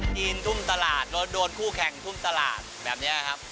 จีนทุ่มตลาดโดนคู่แข่งทุ่มตลาดแบบนี้ครับ